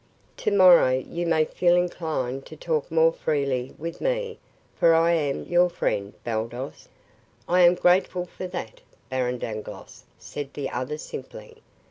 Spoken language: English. To morrow you may feel inclined to talk more freely with me, for I am your friend, Baldos." "I am grateful for that, Baron Dangloss," said the other simply.